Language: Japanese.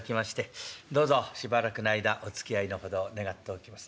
どうぞしばらくの間おつきあいのほどを願っておきます。